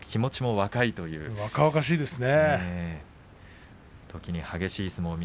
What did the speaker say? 若々しいですね。